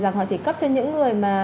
rằng họ chỉ cấp cho những người mà